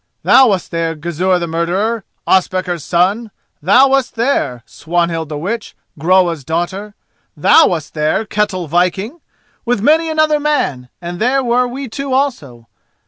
Thou wast there, Gizur the murderer, Ospakar's son! thou wast there, Swanhild the witch, Groa's daughter! thou wast there, Ketel Viking! with many another man; and there were we two also.